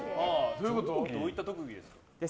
どういった特技ですか。